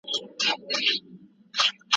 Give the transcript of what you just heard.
قبیلې ولي د ابدالي پر ځای دراني ونومول سوې؟